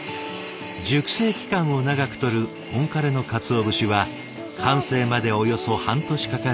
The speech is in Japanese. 熟成期間を長くとる本枯れの鰹節は完成までおよそ半年かかる最高級品。